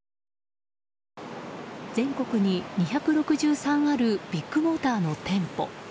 全国に２６３あるビッグモーターの店舗。